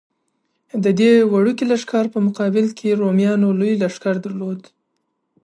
د دې وړوکي لښکر په مقابل کې رومیانو لوی لښکر درلود.